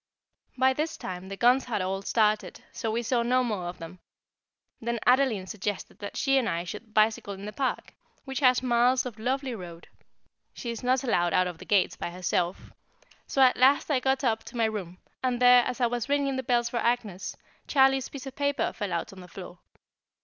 By this time the guns had all started, so we saw no more of them. Then Adeline suggested that she and I should bicycle in the Park, which has miles of lovely road (she is not allowed out of the gates by herself), so at last I got up to my room, and there, as I was ringing the bell for Agnès, Charlie's piece of paper fell out on the floor.